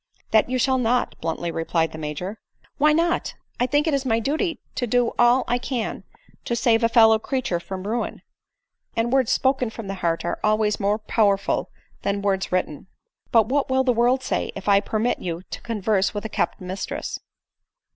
" That you shall not," bluntly replied the Major. "Why not? I think it my duty to do all I can to save a n o ^ V 4 t ■\ s ADELINE MOWBRAY. 99 4 fellow creature from ruin ; and words spoken from the > heart are always more powerful than wprds written." " But what will the world say, if I permit you to con « verse with a kept mistress